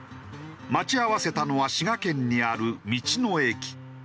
待ち合わせたのは滋賀県にある道の駅。